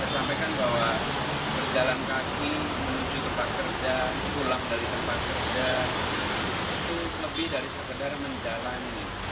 saya sampaikan bahwa berjalan kaki menuju tempat kerja pulang dari tempat kerja itu lebih dari sekedar menjalani